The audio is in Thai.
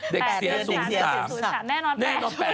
๘๐๓แน่นอน๘๐๓บอกว่าโอ้โฮ๘๐๓แน่นอน๘๐๓บอกว่า